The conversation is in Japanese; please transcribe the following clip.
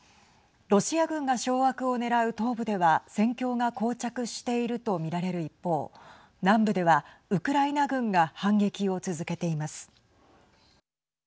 ロシア軍が掌握を狙う東部では戦況が、こう着していると見られる一方、南部ではウクライナ軍が反撃を続けています。